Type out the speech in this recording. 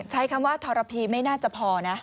ใช้คำว่าทรพีไม่น่าจะพอนะ